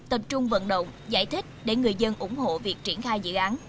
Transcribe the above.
tập trung vận động giải thích để người dân ủng hộ việc triển khai dự án